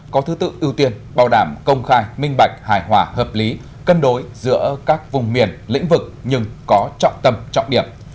có thứ tự ưu tiên bảo đảm công khai minh bạch hài hòa hợp lý cân đối giữa các vùng miền lĩnh vực nhưng có trọng tâm trọng điểm